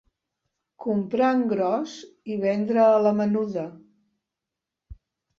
Comprar en gros i vendre a la menuda.